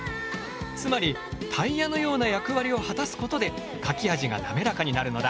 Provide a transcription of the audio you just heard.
つまりタイヤのような役割を果たすことで書き味がなめらかになるのだ。